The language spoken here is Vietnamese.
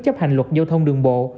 chấp hành luật giao thông đường bộ